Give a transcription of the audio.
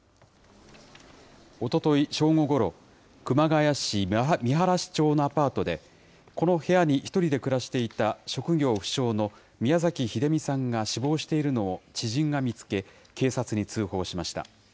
おととい正午ごろ、熊谷市見晴町のアパートで、この部屋に１人で暮らしていた職業不詳の宮崎英美さんが死亡しているのを知人が見つけ、警察に通報しました。